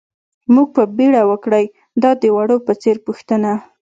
مو په بېړه وکړئ، دا د وړو په څېر پوښتنه.